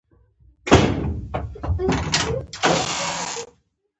فشار کمول د بدن لپاره ګټور دي.